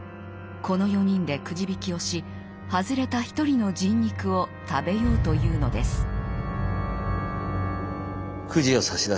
この４人でくじ引きをし外れた１人の人肉を食べようというのです。